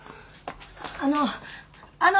あのあの！